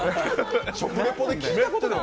食リポで聞いたことない。